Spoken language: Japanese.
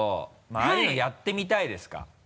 ああいうのやってみたいですか？